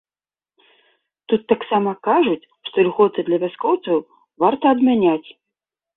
Тут таксама кажуць, што льготы для вяскоўцаў варта адмяняць.